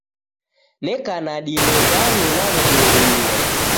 Neka na dilo danu nawedungumia